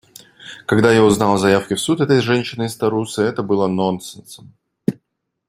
Когда я узнал о заявке в суд этой женщины из Тарусы, это было нонсенсом.